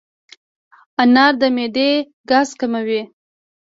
انار د معدې ګاز کموي.